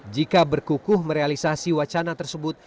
jika berkukuh merealisasi wacana tersebut